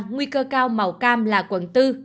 nguy cơ cao màu cam là quận bốn